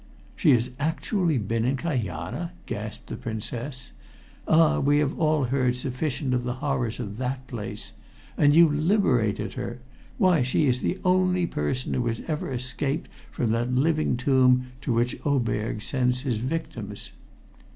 "She has actually been in Kajana!" gasped the Princess. "Ah! we have all heard sufficient of the horrors of that place. And you liberated her! Why, she is the only person who has ever escaped from that living tomb to which Oberg sends his victims."